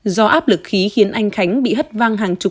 do áp lực khí khiến anh khánh bị hất văng hàng chục